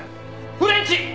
フレンチ！